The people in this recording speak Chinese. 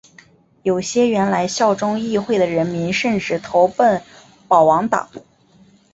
有些原来效忠议会的人民甚至投奔保王党。